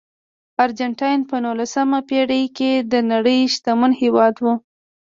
ارجنټاین په نولسمه پېړۍ کې د نړۍ شتمن هېواد و.